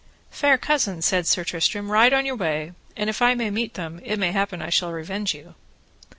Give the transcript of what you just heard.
Fair cousin, said Sir Tristram, ride on your way, and if I may meet them it may happen I shall revenge you.